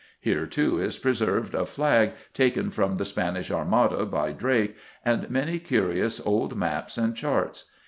Here, too, is preserved a flag taken from the Spanish Armada by Drake, and many curious old maps and charts.